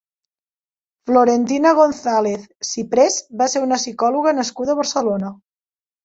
Florentina González Ciprés va ser una psicòloga nascuda a Barcelona.